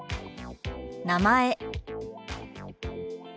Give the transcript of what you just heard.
「名前」。